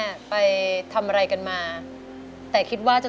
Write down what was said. ทั้งในเรื่องของการทำงานเคยทำนานแล้วเกิดปัญหาน้อย